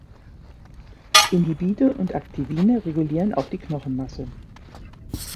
Inhibine und Activine regulieren auch die Knochenmasse.